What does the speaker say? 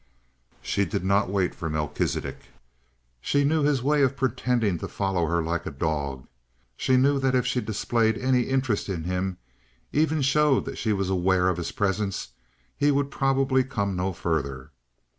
She did not wait for Melchisidec. She knew his way of pretending to follow her like a dog; she knew that if she displayed any interest in him, even showed that she was aware of his presence, he would probably come no further.